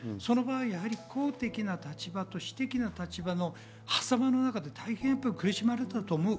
公的な立場と私的な立場の狭間の中で大変苦しまれたと思う。